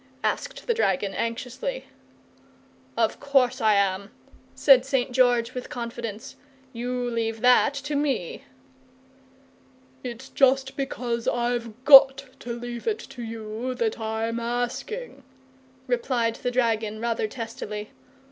asked the dragon, anxiously. "Of course I am," said St. George, with confidence. "You leave that to me!" "It's just because I've GOT to leave it to you that I'm asking," replied the dragon, rather testily.